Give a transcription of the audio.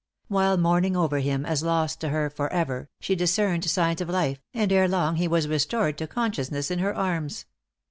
While mourning over him as lost to her for ever, she discerned signs of life, and ere long he was restored to consciousness in her arms.